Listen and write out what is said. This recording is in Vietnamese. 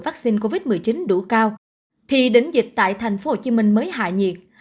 vaccine covid một mươi chín đủ cao thì đến dịch tại tp hcm mới hạ nhiệt